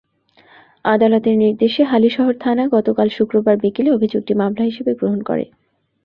আদালতের নির্দেশে হালিশহর থানা গতকাল শুক্রবার বিকেলে অভিযোগটি মামলা হিসেবে গ্রহণ করে।